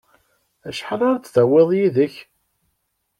Acḥal ara d-tawiḍ yid-k?